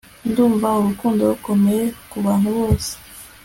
Ndumva urukundo rukomeye kubantu bose